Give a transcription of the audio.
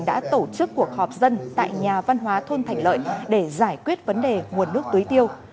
đã tổ chức cuộc họp dân tại nhà văn hóa thôn thành lợi để giải quyết vấn đề nguồn nước tưới tiêu